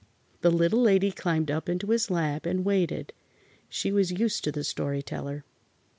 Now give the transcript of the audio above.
The Little Lady climbed up into his lap and waited. She was used to the Story Teller.